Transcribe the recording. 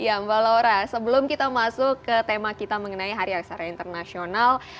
ya mbak laura sebelum kita masuk ke tema kita mengenai hari aksara internasional